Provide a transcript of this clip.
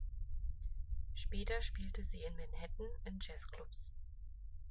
Später spielte sie in Manhattan in Jazz-Clubs.